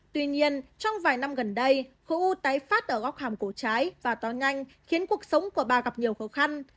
tuy nhiên trong vài năm gần đây khối u tái phát ở góc hàm cổ trái và to nhanh khiến cuộc sống của bà gặp nhiều khó khăn